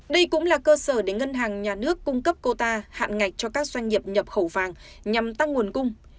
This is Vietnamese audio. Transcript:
đây cũng là cơ sở để ngân hàng nhà nước cung cấp cota hạn ngạch cho các doanh nghiệp nhập khẩu vàng nhằm tăng nguồn cung